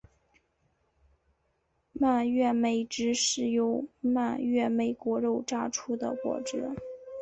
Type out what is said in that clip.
蔓越莓汁是由蔓越莓果肉榨出的果汁。